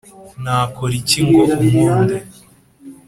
nakora iki ngo unkunde